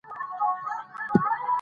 فلالوژي مانا د پوهي سره مینه درلودل دي.